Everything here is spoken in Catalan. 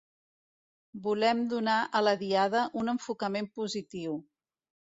Volem donar a la Diada un enfocament positiu.